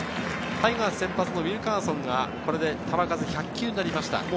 タイガース先発のウィルカーソンがこれで球数１００球になりました。